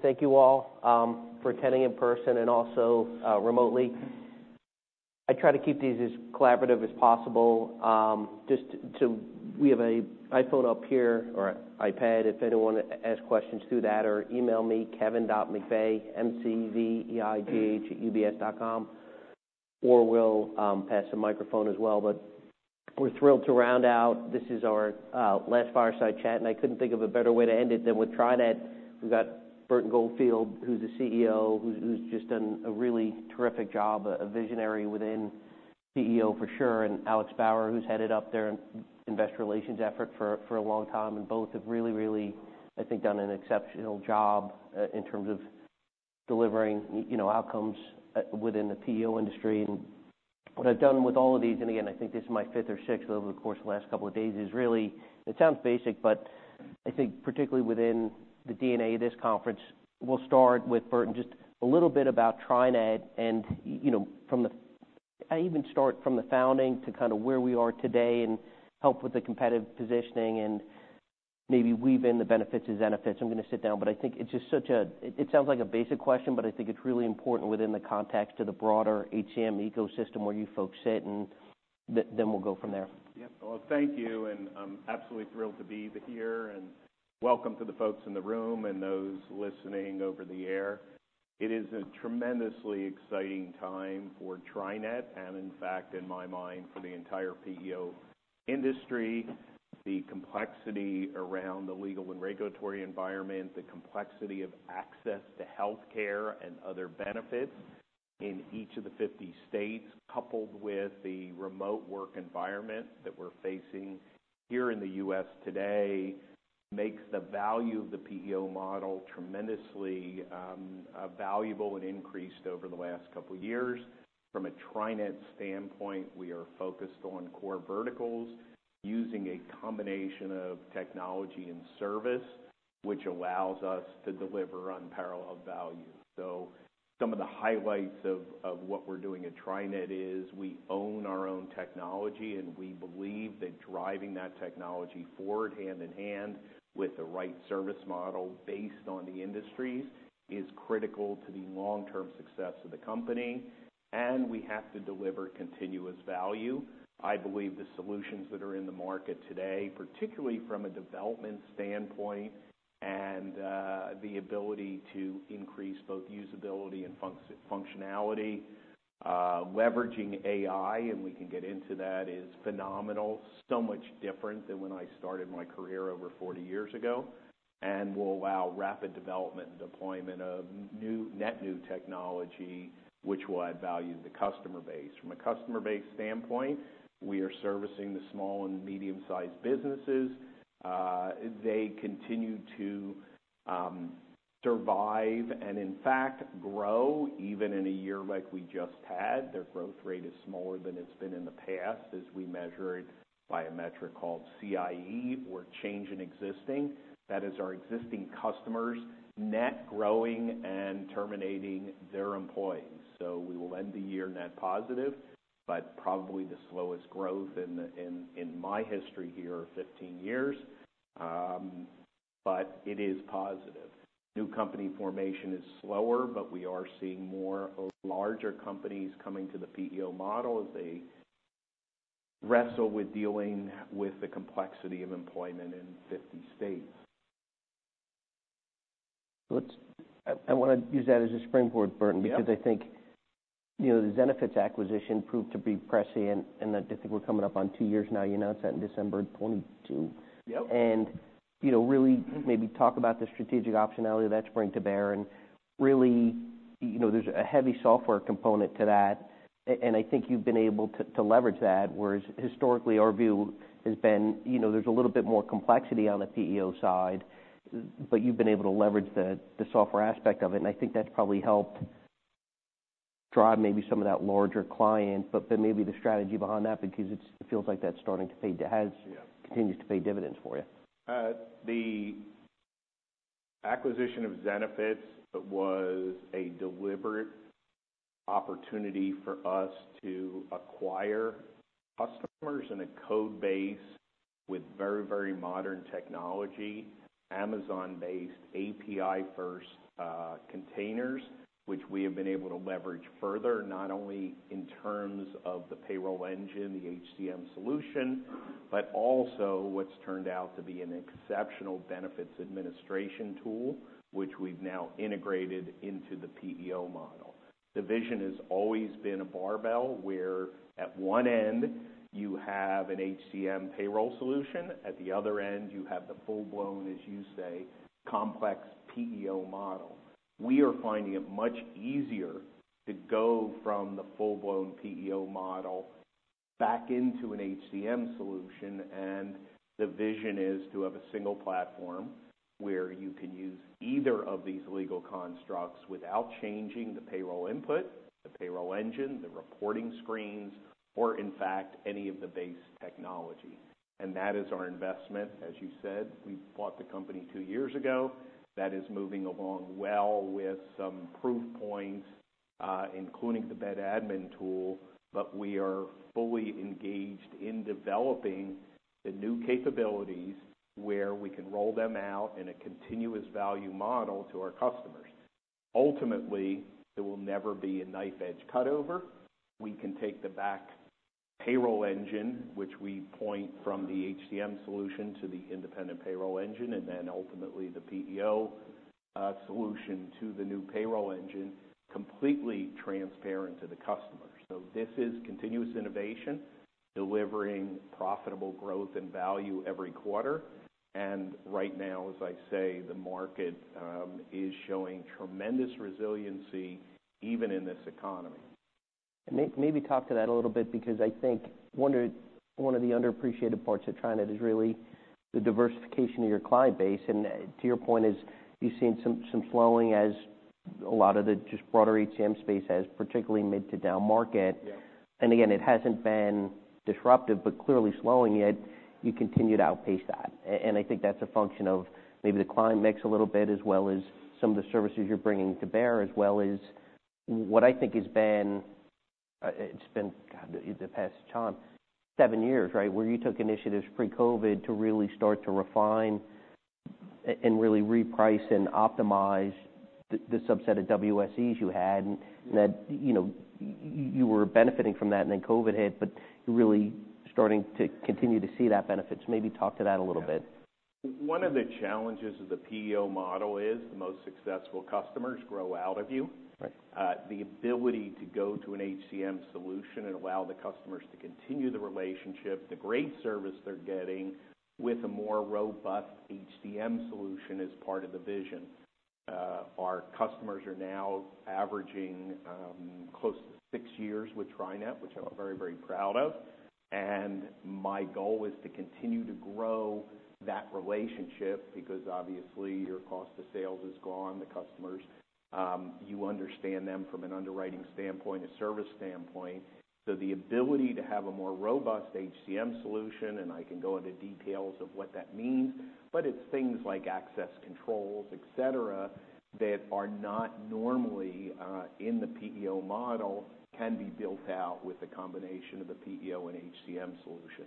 Thank you all for attending in person and also remotely. I try to keep these as collaborative as possible. Just we have an iPhone up here or an iPad, if anyone want to ask questions through that, or email me Kevin McVeigh at UBS.com, or we'll pass the microphone as well. But we're thrilled to round out. This is our last Fireside Chat, and I couldn't think of a better way to end it than with TriNet. We've got Burton Goldfield, who's the CEO, who's just done a really terrific job, a visionary within PEO for sure, and Alex Bauer, who's headed up their investor relations effort for a long time, and both have really, really, I think, done an exceptional job in terms of delivering, you know, outcomes within the PEO industry. What I've done with all of these, and again, I think this is my fifth or sixth over the course of the last couple of days, is really, it sounds basic, but I think particularly within the DNA of this conference, we'll start with Burton. Just a little bit about TriNet and, you know, from the... I even start from the founding to kind of where we are today and help with the competitive positioning and maybe weave in the benefits of Zenefits. I'm going to sit down, but I think it's just such a, it sounds like a basic question, but I think it's really important within the context of the broader HCM ecosystem where you folks sit, and then we'll go from there. Yep. Well, thank you, and I'm absolutely thrilled to be here, and welcome to the folks in the room and those listening over the air. It is a tremendously exciting time for TriNet and in fact, in my mind, for the entire PEO industry. The complexity around the legal and regulatory environment, the complexity of access to healthcare and other benefits in each of the 50 states, coupled with the remote work environment that we're facing here in the U.S. today, makes the value of the PEO model tremendously valuable and increased over the last couple of years. From a TriNet standpoint, we are focused on core verticals using a combination of technology and service, which allows us to deliver unparalleled value. So some of the highlights of what we're doing at TriNet is we own our own technology, and we believe that driving that technology forward hand in hand with the right service model based on the industries, is critical to the long-term success of the company, and we have to deliver continuous value. I believe the solutions that are in the market today, particularly from a development standpoint and the ability to increase both usability and functionality, leveraging AI, and we can get into that, is phenomenal. So much different than when I started my career over 40 years ago, and will allow rapid development and deployment of new, net new technology, which will add value to the customer base. From a customer base standpoint, we are servicing the small and medium-sized businesses. They continue to survive and in fact grow, even in a year like we just had. Their growth rate is smaller than it's been in the past, as we measure it by a metric called CIE, or Change in Existing. That is our existing customers net growing and terminating their employees. So we will end the year net positive, but probably the slowest growth in my history here of 15 years, but it is positive. New company formation is slower, but we are seeing more of larger companies coming to the PEO model as they wrestle with dealing with the complexity of employment in 50 states. I want to use that as a springboard, Burton- Yeah. - because I think, you know, the Zenefits acquisition proved to be prescient, and I think we're coming up on two years now. You announced that in December of 2022? Yep. You know, really maybe talk about the strategic optionality of that strength to bear and really, you know, there's a heavy software component to that, and I think you've been able to to leverage that, whereas historically, our view has been, you know, there's a little bit more complexity on the PEO side, but you've been able to leverage the software aspect of it, and I think that's probably helped drive maybe some of that larger client, but then maybe the strategy behind that, because it feels like that's starting to pay, it continues to pay dividends for you. The acquisition of Zenefits was a deliberate opportunity for us to acquire customers in a code base with very, very modern technology, Amazon-based API-first, containers, which we have been able to leverage further, not only in terms of the payroll engine, the HCM solution, but also what's turned out to be an exceptional benefits administration tool, which we've now integrated into the PEO model. The vision has always been a barbell, where at one end you have an HCM payroll solution, at the other end, you have the full-blown, as you say, complex PEO model. We are finding it much easier to go from the full-blown PEO model back into an HCM solution, and the vision is to have a single platform, where you can use either of these legal constructs without changing the payroll input, the payroll engine, the reporting screens, or in fact, any of the base technology. And that is our investment. As you said, we bought the company two years ago. That is moving along well with some proof points, including the Ben Admin tool, but we are fully engaged in developing the new capabilities where we can roll them out in a continuous value model to our customers. Ultimately, there will never be a knife edge cut over. We can take the back payroll engine, which we point from the HCM solution to the independent payroll engine, and then ultimately the PEO solution to the new payroll engine, completely transparent to the customer. This is continuous innovation, delivering profitable growth and value every quarter. Right now, as I say, the market is showing tremendous resiliency even in this economy. Maybe talk to that a little bit, because I think one of, one of the underappreciated parts of TriNet is really the diversification of your client base. And, to your point is, you've seen some, some slowing as a lot of the just broader HCM space has, particularly mid to down market. Yeah. And again, it hasn't been disruptive, but clearly slowing, yet you continue to outpace that. And I think that's a function of maybe the client mix a little bit, as well as some of the services you're bringing to bear, as well as what I think has been, it's been, God, the past time, seven years, right? Where you took initiatives pre-COVID to really start to refine and really reprice and optimize the subset of WSEs you had That, you know, you were benefiting from that, and then COVID hit, but you're really starting to continue to see that benefits. Maybe talk to that a little bit. Yeah. One of the challenges of the PEO model is, the most successful customers grow out of you. Right. The ability to go to an HCM solution and allow the customers to continue the relationship, the great service they're getting with a more robust HCM solution is part of the vision. Our customers are now averaging close to six years with TriNet, which I'm very, very proud of, and my goal is to continue to grow that relationship, because obviously, your cost of sales is gone. The customers, you understand them from an underwriting standpoint, a service standpoint. So the ability to have a more robust HCM solution, and I can go into details of what that means, but it's things like access controls, etc, that are not normally in the PEO model, can be built out with a combination of the PEO and HCM solution.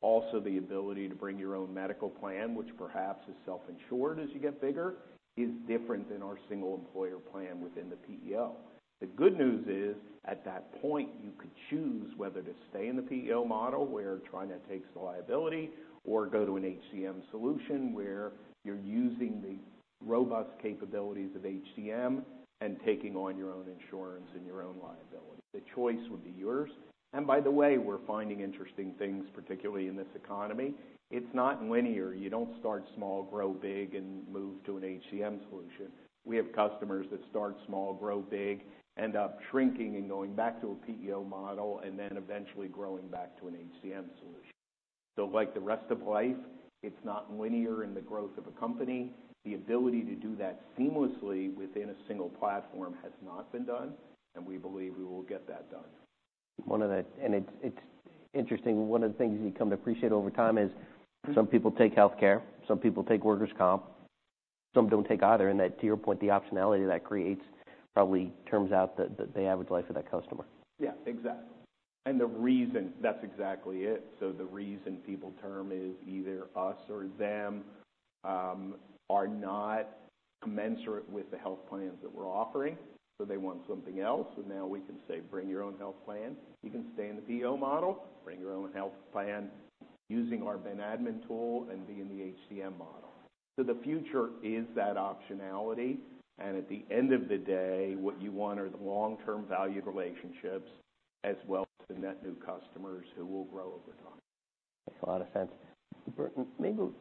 Also, the ability to bring your own medical plan, which perhaps is self-insured as you get bigger, is different than our single employer plan within the PEO. The good news is, at that point, you could choose whether to stay in the PEO model, where TriNet takes the liability, or go to an HCM solution, where you're using the robust capabilities of HCM and taking on your own insurance and your own liability. The choice would be yours. And by the way, we're finding interesting things, particularly in this economy. It's not linear. You don't start small, grow big, and move to an HCM solution. We have customers that start small, grow big, end up shrinking and going back to a PEO model, and then eventually growing back to an HCM solution. So like the rest of life, it's not linear in the growth of a company. The ability to do that seamlessly within a single platform has not been done, and we believe we will get that done. It's interesting, one of the things you come to appreciate over time is- Mm-hmm. Some people take healthcare, some people take Workers' Comp, some don't take either, and that, to your point, the optionality that creates probably terms out the average life of that customer. Yeah, exactly. And the reason. That's exactly it. So the reason people term is either us or them are not commensurate with the health plans that we're offering, so they want something else. So now we can say, "Bring your own health plan." You can stay in the PEO model, bring your own health plan using our Ben Admin tool and be in the HCM model. So the future is that optionality, and at the end of the day, what you want are the long-term valued relationships as well as the net new customers who will grow over time. Makes a lot of sense. Burton, maybe we'll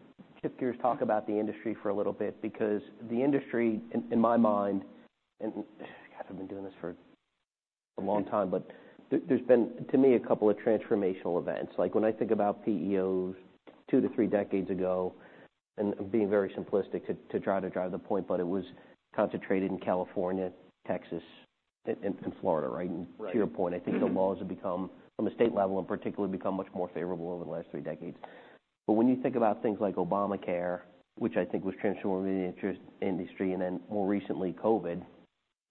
shift gears, talk about the industry for a little bit, because the industry, in my mind, and, God, I've been doing this for a long time, but there's been, to me, a couple of transformational events. Like, when I think about PEOs two to three decades ago, and being very simplistic to try to drive the point, but it was concentrated in California, Texas, and Florida, right? Right. To your point, I think the laws have become from a state level and particularly much more favorable over the last three decades. But when you think about things like Obamacare, which I think was transformative in the industry, and then more recently, COVID,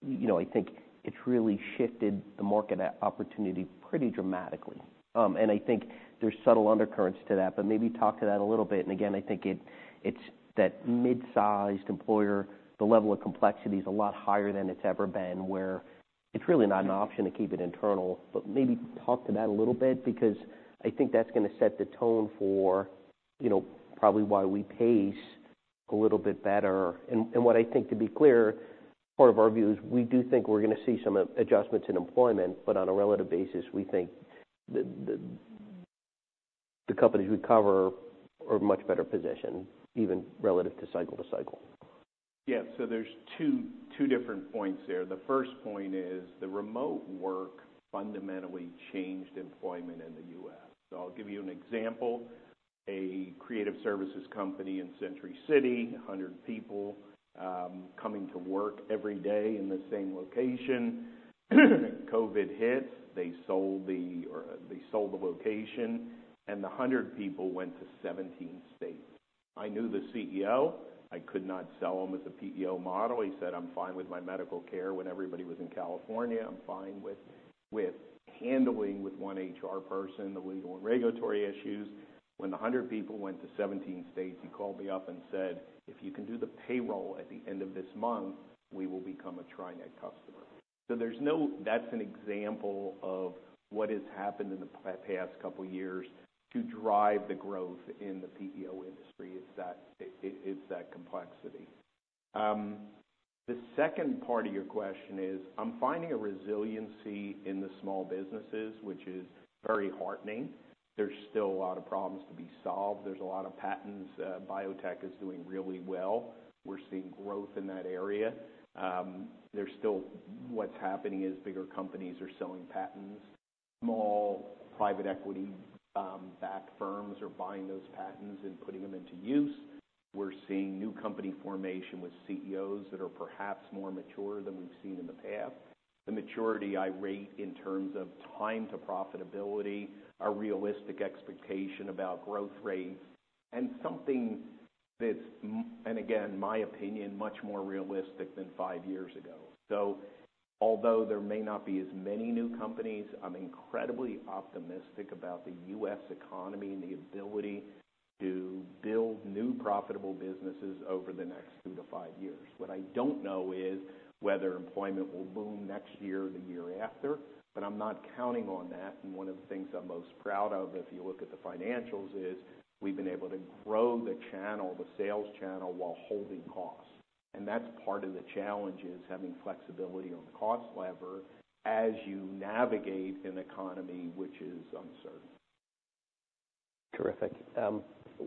you know, I think it's really shifted the market opportunity pretty dramatically. And I think there's subtle undercurrents to that, but maybe talk to that a little bit. And again, I think it, it's that mid-sized employer, the level of complexity is a lot higher than it's ever been, where it's really not an option to keep it internal. But maybe talk to that a little bit, because I think that's gonna set the tone for, you know, probably why we pace a little bit better. What I think, to be clear, part of our view is we do think we're gonna see some adjustments in employment, but on a relative basis, we think the companies we cover are much better-positioned, even relative to cycle to cycle. Yeah, so there's two, two different points there. The first point is, the remote work fundamentally changed employment in the U.S. So I'll give you an example. A creative services company in Century City, 100 people, coming to work every day in the same location. COVID hit, they sold the, or they sold the location, and the 100 people went to 17 states. I knew the CEO. I could not sell him as a PEO model. He said, "I'm fine with my medical care when everybody was in California. I'm fine with, with handling with one HR person, the legal and regulatory issues." When the 100 people went to 17 states, he called me up and said, "If you can do the payroll at the end of this month, we will become a TriNet customer." So that's an example of what has happened in the past couple of years to drive the growth in the PEO industry: it's that complexity. The second part of your question is, I'm finding a resiliency in the small businesses, which is very heartening. There's still a lot of problems to be solved. There's a lot of patents. Biotech is doing really well. We're seeing growth in that area. There's still... What's happening is bigger companies are selling patents. Small private equity backed firms are buying those patents and putting them into use. We're seeing new company formation with CEOs that are perhaps more mature than we've seen in the past. The maturity I rate in terms of time to profitability, a realistic expectation about growth rates, and something that's, and again, my opinion, much more realistic than five years ago. So although there may not be as many new companies, I'm incredibly optimistic about the U.S. economy and the ability to build new profitable businesses over the next two to five years. What I don't know is, whether employment will boom next year or the year after, but I'm not counting on that. And one of the things I'm most proud of, if you look at the financials, is we've been able to grow the channel, the sales channel, while holding costs. That's part of the challenge, is having flexibility on the cost lever as you navigate an economy which is uncertain. Terrific.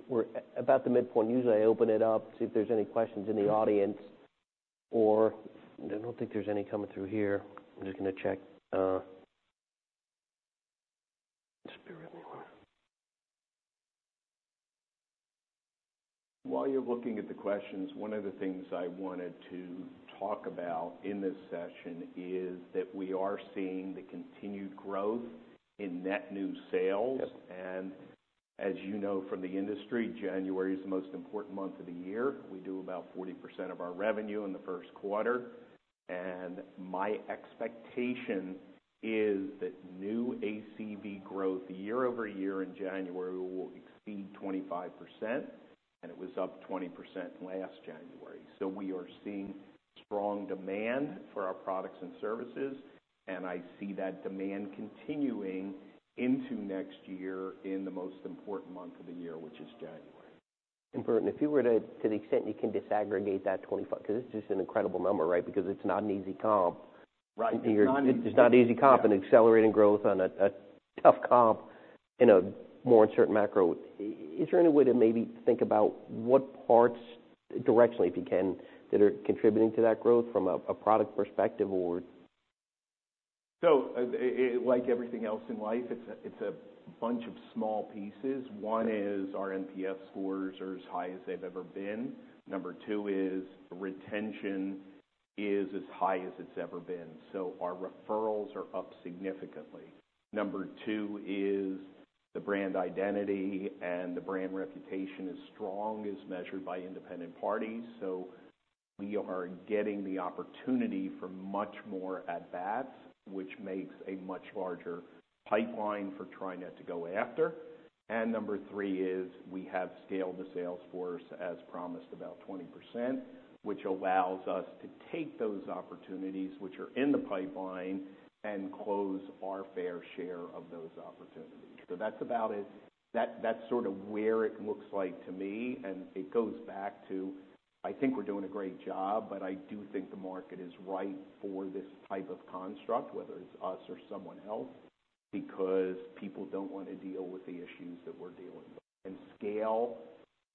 We're about the midpoint. Usually, I open it up, see if there's any questions in the audience or... I don't think there's any coming through here. I'm just gonna check, just bear with me here. While you're looking at the questions, one of the things I wanted to talk about in this session is that we are seeing the continued growth in net new sales. Yep. As you know from the industry, January is the most important month of the year. We do about 40% of our revenue in the first quarter, and my expectation is that new ACV growth, year-over-year in January, will exceed 25%, and it was up 20% last January. So we are seeing strong demand for our products and services, and I see that demand continuing into next year in the most important month of the year, which is January. Burton, if you were to the extent you can disaggregate that 25%, because it's just an incredible number, right? Because it's not an easy comp. Right. It's not an easy comp, an accelerating growth on a tough comp in a more uncertain macro. Is there any way to maybe think about what parts, directionally, if you can, that are contributing to that growth from a product perspective or? Like everything else in life, it's a bunch of small pieces. Okay. One is our NPS scores are as high as they've ever been. Number two is retention is as high as it's ever been, so our referrals are up significantly. Number two is the brand identity, and the brand reputation is strong, as measured by independent parties. So we are getting the opportunity for much more at bats, which makes a much larger pipeline for TriNet to go after. And number three is we have scaled the sales force, as promised, about 20%, which allows us to take those opportunities which are in the pipeline and close our fair share of those opportunities. So that's about it. That, that's sort of where it looks like to me, and it goes back to, I think we're doing a great job, but I do think the market is right for this type of construct, whether it's us or someone else, because people don't want to deal with the issues that we're dealing with. And scale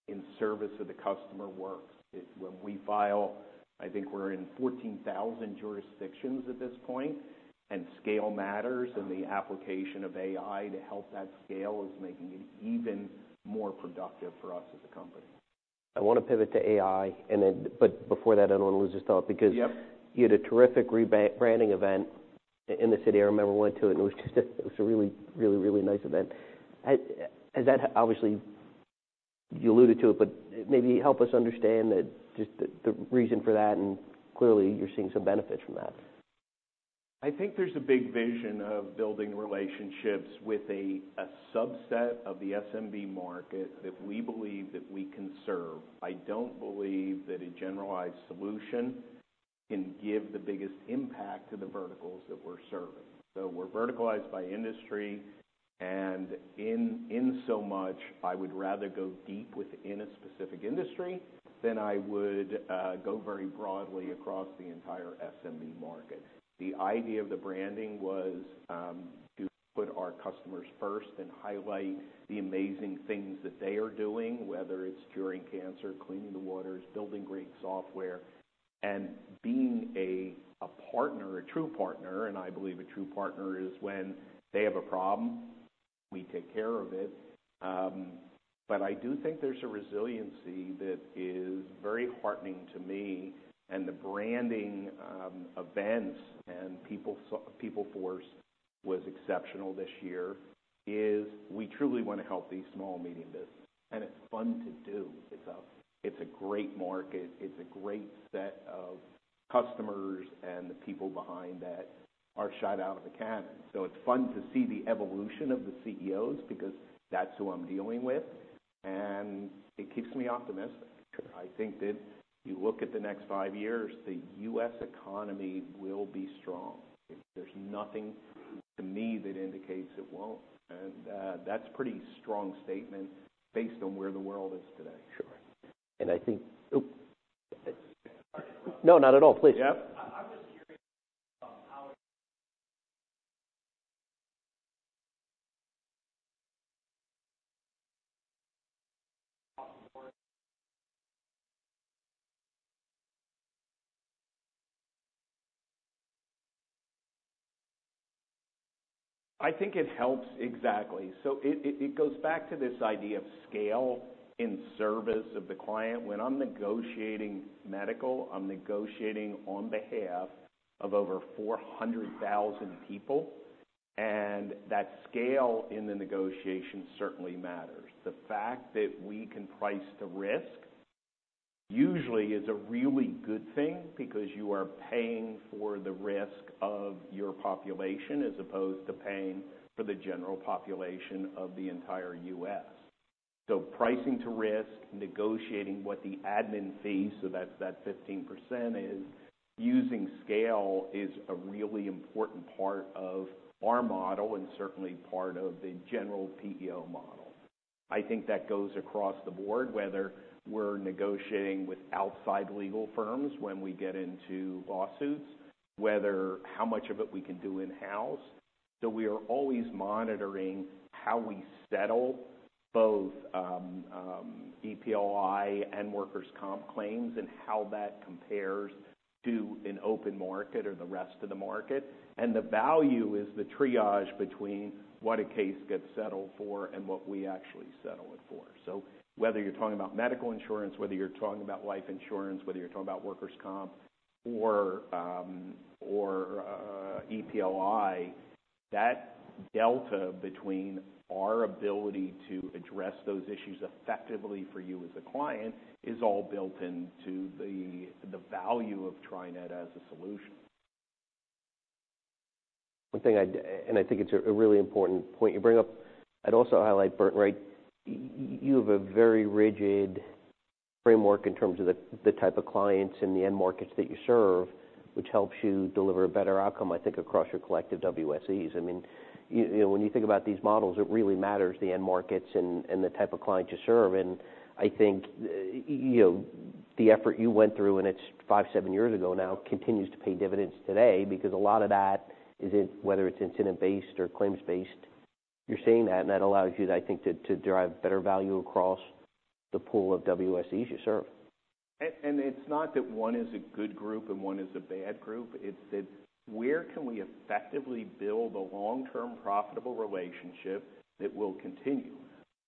in service to the customer works. It. When we file, I think we're in 14,000 jurisdictions at this point, and scale matters, and the application of AI to help that scale is making it even more productive for us as a company. I want to pivot to AI, and then... But before that, I don't want to lose this thought, because- Yep. You had a terrific rebranding event in the city. I remember I went to it, and it was just it was a really, really, really nice event. Has that obviously, you alluded to it, but maybe help us understand that, just the, the reason for that, and clearly, you're seeing some benefits from that. I think there's a big vision of building relationships with a subset of the SMB market that we believe that we can serve. I don't believe that a generalized solution can give the biggest impact to the verticals that we're serving. So we're verticalized by industry, and in so much, I would rather go deep within a specific industry than I would go very broadly across the entire SMB market. The idea of the branding was to put our customers first and highlight the amazing things that they are doing, whether it's curing cancer, cleaning the waters, building great software, and being a partner, a true partner. And I believe a true partner is when they have a problem, we take care of it. But I do think there's a resiliency-... is very heartening to me, and the branding, events and PeopleForce was exceptional this year, is we truly want to help these small, medium businesses. It's fun to do. It's a great market. It's a great set of customers, and the people behind that are shot out of a cannon. It's fun to see the evolution of the CEOs, because that's who I'm dealing with, and it keeps me optimistic. I think that you look at the next five years, the U.S. economy will be strong. There's nothing to me that indicates it won't, and that's a pretty strong statement based on where the world is today. Sure. And I think... Sorry. No, not at all. Please. Yep. I was just curious, how- I think it helps, exactly. So it goes back to this idea of scale in service of the client. When I'm negotiating medical, I'm negotiating on behalf of over 400,000 people, and that scale in the negotiation certainly matters. The fact that we can price the risk usually is a really good thing, because you are paying for the risk of your population as opposed to paying for the general population of the entire U.S. So pricing to risk, negotiating what the admin fees, so that's that 15% is using scale is a really important part of our model and certainly part of the general PEO model. I think that goes across the board, whether we're negotiating with outside legal firms when we get into lawsuits, whether how much of it we can do in-house. So we are always monitoring how we settle both EPLI and workers' comp claims, and how that compares to an open market or the rest of the market. And the value is the triage between what a case gets settled for and what we actually settle it for. So whether you're talking about medical insurance, whether you're talking about life insurance, whether you're talking about workers' comp or EPLI, that delta between our ability to address those issues effectively for you as a client, is all built into the value of TriNet as a solution. One thing. And I think it's a really important point you bring up. I'd also highlight, Bert, right, you have a very rigid framework in terms of the type of clients and the end markets that you serve, which helps you deliver a better outcome, I think, across your collective WSEs. I mean, you know, when you think about these models, it really matters the end markets and the type of clients you serve. And I think, you know, the effort you went through, and it's five to seven years ago now, continues to pay dividends today, because a lot of that is in, whether it's incident-based or claims-based, you're seeing that, and that allows you, I think, to derive better value across the pool of WSEs you serve. And it's not that one is a good group and one is a bad group, it's that, where can we effectively build a long-term, profitable relationship that will continue?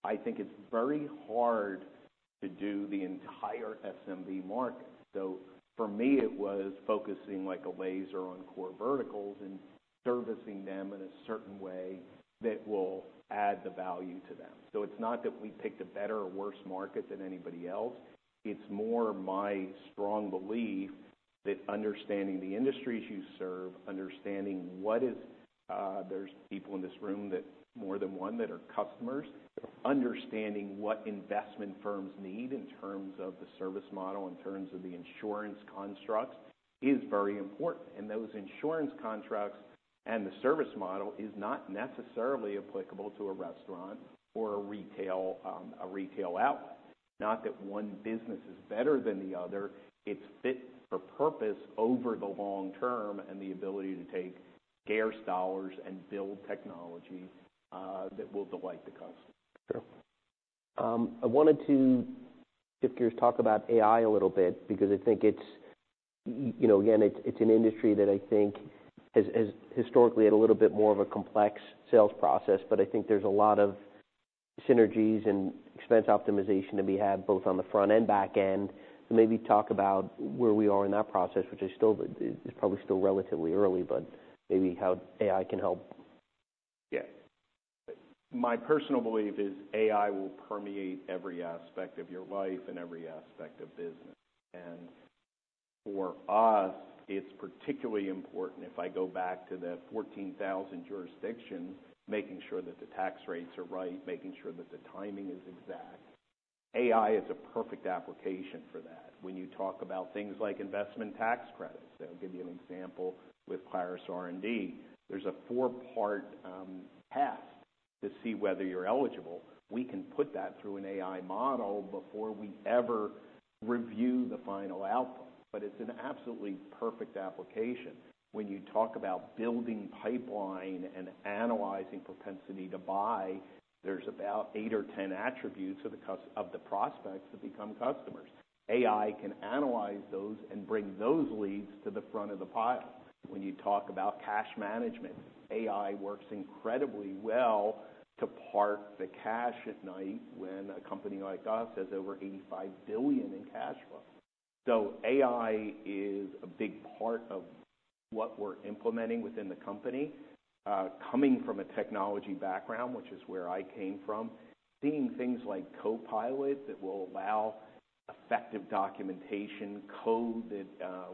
I think it's very hard to do the entire SMB market. So for me, it was focusing like a laser on core verticals and servicing them in a certain way that will add the value to them. So it's not that we picked a better or worse market than anybody else. It's more my strong belief that understanding the industries you serve, understanding what is... There's people in this room, that more than one, that are customers. Understanding what investment firms need in terms of the service model, in terms of the insurance construct, is very important. And those insurance contracts and the service model is not necessarily applicable to a restaurant or a retail, a retail outlet. Not that one business is better than the other. It's fit for purpose over the long term and the ability to take care dollars and build technology, that will delight the customer. Sure. I wanted to shift gears, talk about AI a little bit, because I think it's, you know, again, it's an industry that I think has historically had a little bit more of a complex sales process, but I think there's a lot of synergies and expense optimization to be had, both on the front and back end. So maybe talk about where we are in that process, which is still, is probably still relatively early, but maybe how AI can help. Yeah. My personal belief is AI will permeate every aspect of your life and every aspect of business. And for us, it's particularly important, if I go back to the 14,000 jurisdictions, making sure that the tax rates are right, making sure that the timing is exact. AI is a perfect application for that. When you talk about things like investment tax credits, I'll give you an example with Clarus R+D. There's a 4-part test to see whether you're eligible. We can put that through an AI model before we ever review the final output, but it's an absolutely perfect application. When you talk about building pipeline and analyzing propensity to buy, there's about eight or 10 attributes of the prospects to become customers. AI can analyze those and bring those leads to the front of the pile. When you talk about cash management, AI works incredibly well to park the cash at night when a company like us has over $85 billion in cash flow. So AI is a big part of what we're implementing within the company. Coming from a technology background, which is where I came from, seeing things like Copilot that will allow effective documentation code that,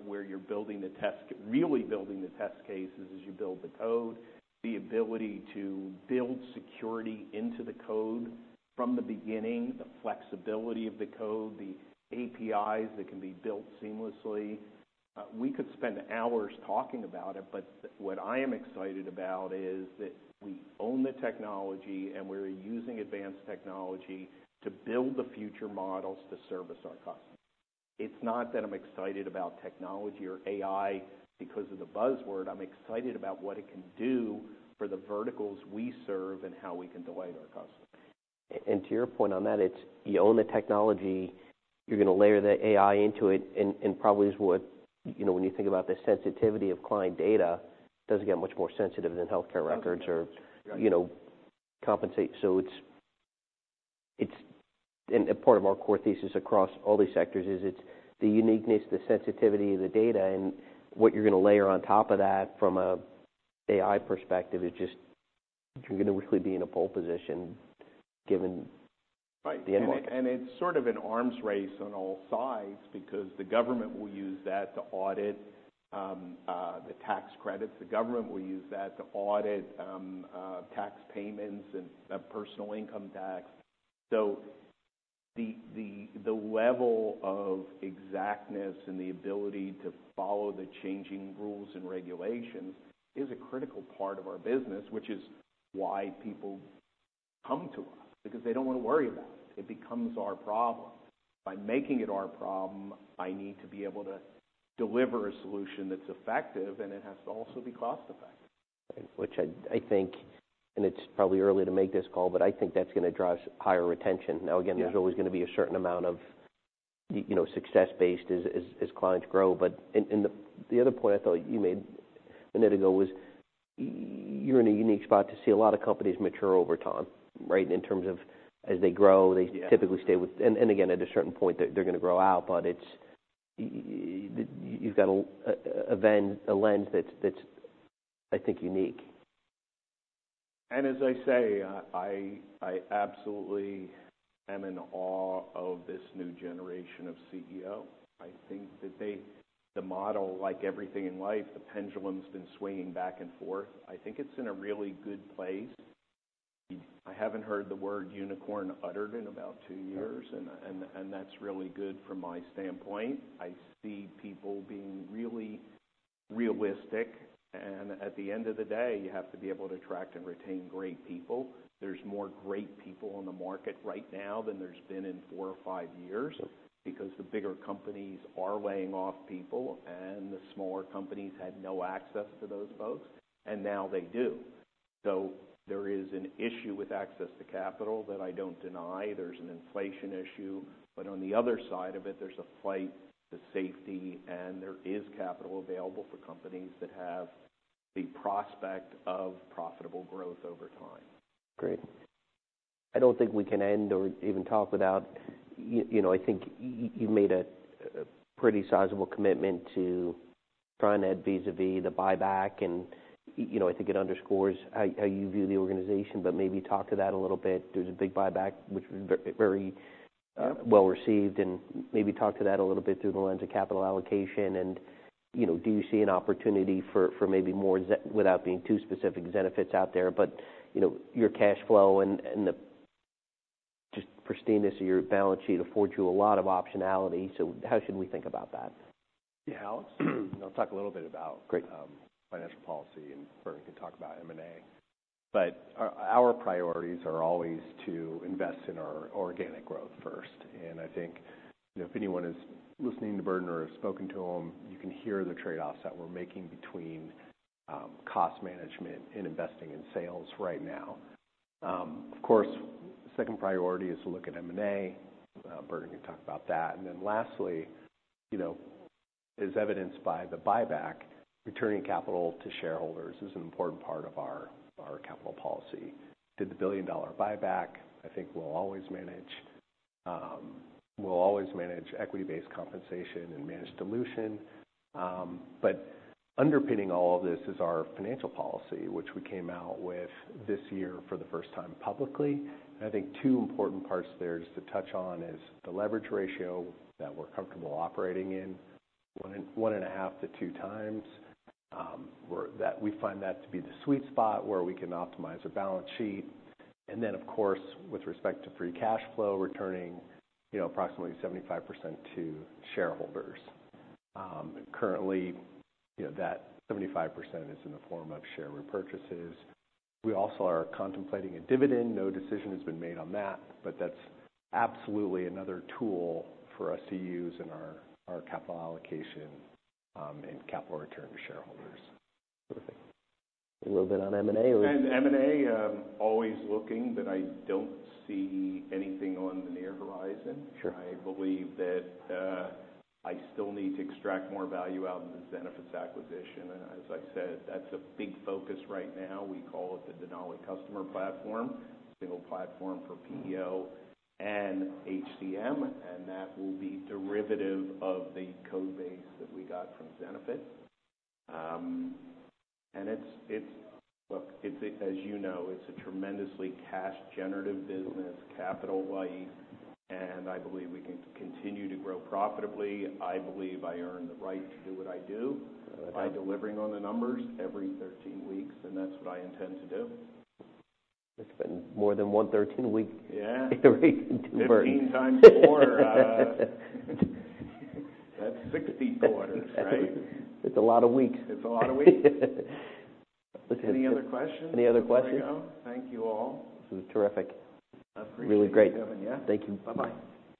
where you're building the test cases as you build the code, the ability to build security into the code from the beginning, the flexibility of the code, the APIs that can be built seamlessly. We could spend hours talking about it, but what I am excited about is that we own the technology, and we're using advanced technology to build the future models to service our customers. It's not that I'm excited about technology or AI because of the buzzword. I'm excited about what it can do for the verticals we serve and how we can delight our customers. To your point on that, it's you own the technology, you're gonna layer the AI into it, and probably is what, you know, when you think about the sensitivity of client data, doesn't get much more sensitive than healthcare records or Yeah you know, compensate. So it's, it's, and a part of our core thesis across all these sectors is it's the uniqueness, the sensitivity of the data, and what you're gonna layer on top of that from an AI perspective is just... You're gonna really be in a pole position, given- Right. The end market. It's sort of an arms race on all sides because the government will use that to audit the tax credits. The government will use that to audit tax payments and personal income tax. So the level of exactness and the ability to follow the changing rules and regulations is a critical part of our business, which is why people come to us, because they don't want to worry about it. It becomes our problem. By making it our problem, I need to be able to deliver a solution that's effective, and it has to also be cost-effective. Which I think, and it's probably early to make this call, but I think that's gonna drive higher retention. Now, again- Yeah... there's always gonna be a certain amount of, you know, success based as clients grow. But the other point I thought you made a minute ago was, you're in a unique spot to see a lot of companies mature over time, right? In terms of as they grow- Yeah... they typically stay with—and again, at a certain point, they're gonna grow out, but it's—you've got a vendor lens that's, I think, unique. And as I say, I absolutely am in awe of this new generation of CEO. I think that they... The model, like everything in life, the pendulum's been swinging back and forth. I think it's in a really good place. I haven't heard the word unicorn uttered in about two years, and that's really good from my standpoint. I see people being really realistic, and at the end of the day, you have to be able to attract and retain great people. There's more great people on the market right now than there's been in four or five years because the bigger companies are laying off people, and the smaller companies had no access to those folks, and now they do. So there is an issue with access to capital that I don't deny. There's an inflation issue, but on the other side of it, there's a flight to safety, and there is capital available for companies that have the prospect of profitable growth over time. Great. I don't think we can end or even talk without, you know, I think you've made a pretty sizable commitment to trying that vis-a-vis the buyback, and, you know, I think it underscores how you view the organization, but maybe talk to that a little bit. There's a big buyback, which was very well-received, and maybe talk to that a little bit through the lens of capital allocation. And, you know, do you see an opportunity for, for maybe more without being too specific, Zenefits out there, but, you know, your cash flow and, and the just pristineness of your balance sheet affords you a lot of optionality. So how should we think about that? Yeah. I'll talk a little bit about- Great... financial policy, and Bernard can talk about M&A. But our priorities are always to invest in our organic growth first, and I think, you know, if anyone is listening to Bernard or has spoken to him, you can hear the trade-offs that we're making between, cost management and investing in sales right now. Of course, second priority is to look at M&A. Bernard can talk about that. And then lastly, you know, as evidenced by the buyback, returning capital to shareholders is an important part of our capital policy. Did the $1 billion buyback. I think we'll always manage. We'll always manage equity-based compensation and manage dilution. But underpinning all of this is our financial policy, which we came out with this year for the first time publicly. I think two important parts there just to touch on is the leverage ratio that we're comfortable operating in, 1x and 1.5x-2x. That we find that to be the sweet spot where we can optimize a balance sheet. And then, of course, with respect to free cash flow, returning, you know, approximately 75% to shareholders. Currently, you know, that 75% is in the form of share repurchases. We also are contemplating a dividend. No decision has been made on that, but that's absolutely another tool for us to use in our, our capital allocation, and capital return to shareholders. Perfect. A little bit on M&A or- M&A, always looking, but I don't see anything on the near horizon. Sure. I believe that I still need to extract more value out of the Zenefits acquisition, and as I said, that's a big focus right now. We call it the Denali customer platform, single platform for PEO and HCM, and that will be derivative of the code base that we got from Zenefits. And it's. Look, it's, as you know, it's a tremendously cash-generative business, capital light, and I believe we can continue to grow profitably. I believe I earned the right to do what I do. Right By delivering on the numbers every 13 weeks, and that's what I intend to do. It's been more than one 13-week- Yeah. -period. 15 x 4, That's 60 quarters, right? It's a lot of weeks. It's a lot of weeks. Listen- Any other questions? Any other questions? Thank you, all. This was terrific. I appreciate you having me. Really great. Thank you. Bye-bye.